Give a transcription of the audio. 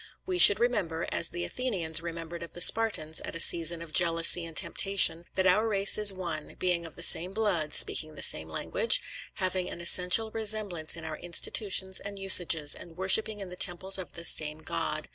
We should remember, as the Athenians remembered of the Spartans at a season of jealousy and temptation, that our race is one, being of the same blood, speaking the same language, having an essential resemblance in our institutions and usages, and worshipping in the temples of the same God.